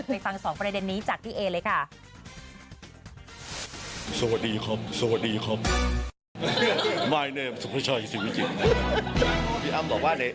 ไปฟัง๒ประเด็นนี้จากพี่เอเลยค่ะ